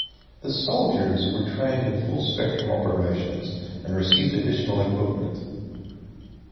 The soldiers were trained in full spectrum operations and received additional equipment.